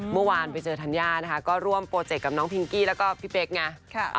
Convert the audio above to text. เมื่อวานไปเจอธัญญานะคะก็ร่วมโปรเจกต์กับน้องพิงกี้แล้วก็พี่เป๊กไง